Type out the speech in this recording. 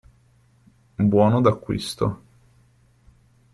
Buono d'acquisto.